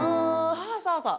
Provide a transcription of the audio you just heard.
そうそうそう。